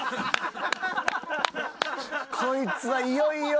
こいつはいよいよ。